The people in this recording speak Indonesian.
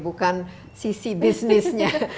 bukan sisi bisnisnya